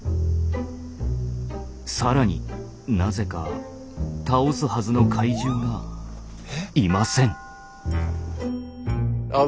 更になぜか倒すはずの怪獣がいません。